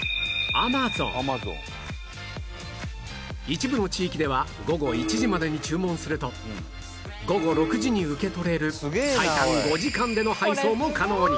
一部の地域では午後１時までに注文すると午後６時に受け取れる最短５時間での配送も可能に